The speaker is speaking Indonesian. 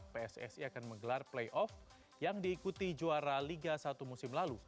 pssi akan menggelar playoff yang diikuti juara liga satu musim lalu